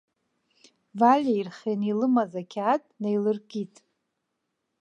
Валиа ирхианы илымаз ақьаад наилыркит.